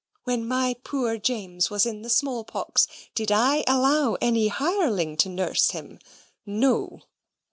When my poor James was in the smallpox, did I allow any hireling to nurse him? No."